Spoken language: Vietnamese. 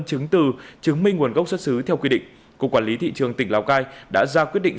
chứng từ chứng minh nguồn gốc xuất xứ theo quy định cục quản lý thị trường tỉnh lào cai đã ra quyết định